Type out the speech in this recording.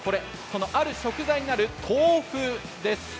ある食材になる豆腐です。